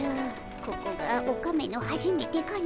ここがオカメのはじめてかの。